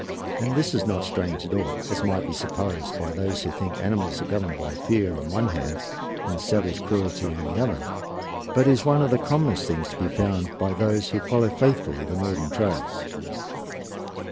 And this is not strange at all, as might be supposed by those who think animals are governed by fear on one hand and savage cruelty on the other, but is one of the commonest things to be found by those who follow faithfully the northern trails.